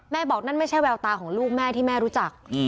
บอกนั่นไม่ใช่แววตาของลูกแม่ที่แม่รู้จัก